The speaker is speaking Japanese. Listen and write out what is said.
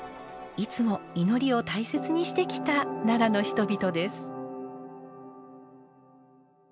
いつも祈りを大切にしてきた奈良の人々です。